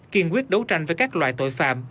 kiên quyết đấu tranh với các loại tội phạm